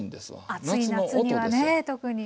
暑い夏にはね特に。